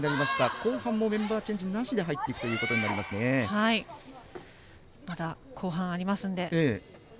後半もメンバーチェンジなしでまだ後半ありますので。